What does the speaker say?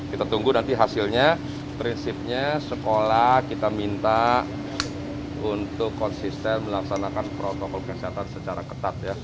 kita tunggu nanti hasilnya prinsipnya sekolah kita minta untuk konsisten melaksanakan protokol kesehatan secara ketat ya